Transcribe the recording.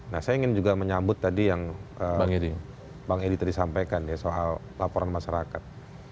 nah saya ingin juga menyambut tadi yang bang edi tadi sampaikan ya soal laporan masyarakat